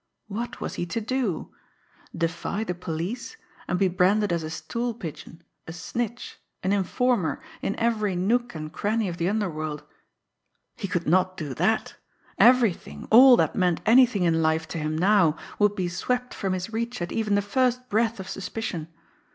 What was he to do? Defy the police and be branded as a stool pigeon, a snitch, an informer in every nook and cranny of the underworld! He could not do that. Everything, all that meant anything in life to him now would be swept from his reach at even the first breath of suspicion.